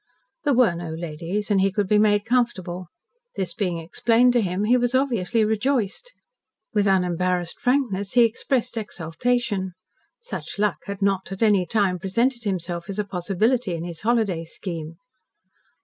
There were no ladies, and he could be made comfortable. This being explained to him, he was obviously rejoiced. With unembarrassed frankness, he expressed exultation. Such luck had not, at any time, presented itself to him as a possibility in his holiday scheme.